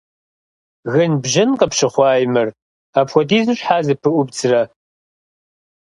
Гынбжьын къыпщыхъуаи мыр, апхуэдизу щхьэ зыпыӀубдзрэ?